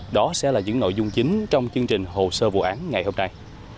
đó sẽ là những nội dung chính trong chương trình hồ sơ vụ án ngày hôm nay